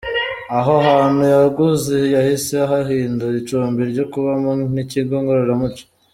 Aho hantu yaguze yahise ahahindura icumbi ryo kubamo n’ikigo ngororamuco.